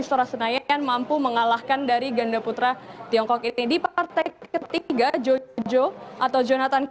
stora senayan mampu mengalahkan dari ganda putra tiongkok ini di partai ketiga jojo atau jonathan